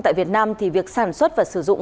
tại việt nam việc sản xuất và sử dụng